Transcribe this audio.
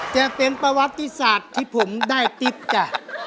จะเป็นประวัติศาสตร์ที่ผมได้ติ๊บจ้ะ